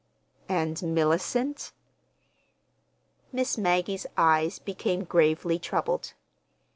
"And—Mellicent?" Miss Maggie's eyes became gravely troubled.